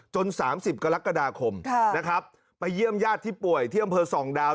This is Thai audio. จน๓๐กรกฎาคมไปเยี่ยมญาติที่ป่วยเที่ยวมเปิดสองดาว